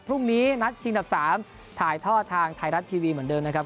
พรุ่งนี้นัดชิงดับ๓ถ่ายทอดทางไทยรัฐทีวีเหมือนเดิมนะครับ